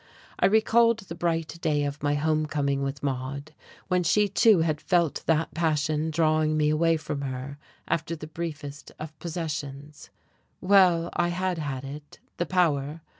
I recalled the bright day of my home coming with Maude, when she too had felt that passion drawing me away from her, after the briefest of possessions.... Well, I had had it, the power.